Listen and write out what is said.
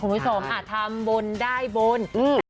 คุณผู้สมทำบุญได้บุญ